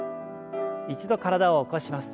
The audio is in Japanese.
一度体を起こします。